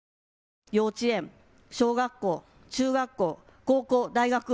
幼稚園、小学校、中学校、高校、大学。